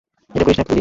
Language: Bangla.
এটা করিস না, পোন্নি।